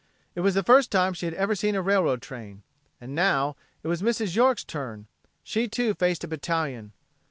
It was the first time she had ever seen a railroad train. And, now, it was Mrs. York's turn. She, too, faced a battalion.